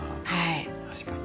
確かに。